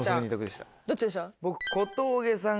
どっちでした？